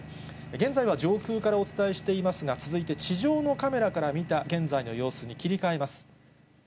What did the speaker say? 現在は上空からお伝えしていますが、続いて地上のカメラから見た現在の様子に切り替えます。